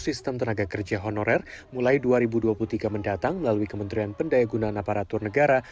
sistem tenaga kerja honorer mulai dua ribu dua puluh tiga mendatang melalui kementerian pendaya gunaan aparatur negara